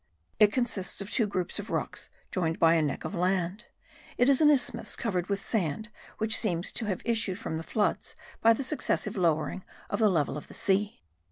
It consists of two groups of rocks joined by a neck of land; it is an isthmus covered with sand which seems to have issued from the floods by the successive lowering of the level of the sea.